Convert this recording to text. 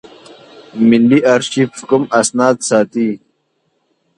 ملي آرشیف کوم اسناد ساتي؟